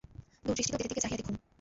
দূরদৃষ্টিতে অতীতের দিকে চাহিয়া দেখুন।